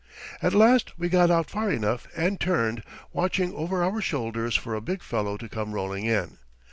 At last we got out far enough and turned, watching over our shoulders for a big fellow to come rolling in.